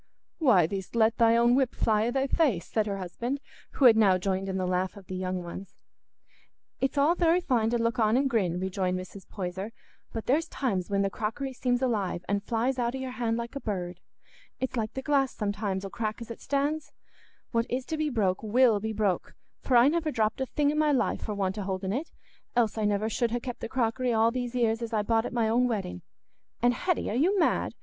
"Why, thee'st let thy own whip fly i' thy face," said her husband, who had now joined in the laugh of the young ones. "It's all very fine to look on and grin," rejoined Mrs. Poyser; "but there's times when the crockery seems alive an' flies out o' your hand like a bird. It's like the glass, sometimes, 'ull crack as it stands. What is to be broke will be broke, for I never dropped a thing i' my life for want o' holding it, else I should never ha' kept the crockery all these 'ears as I bought at my own wedding. And Hetty, are you mad?